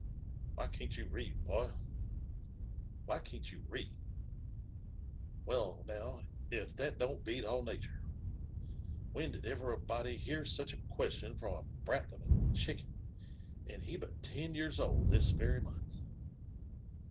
"Why can't you read, boy? — why cun't you read ? Well, now, if that don't beat all natur I When did ever a body hear such a qu^tloii from a brat of a chicken, and he hut ten years old this very month?"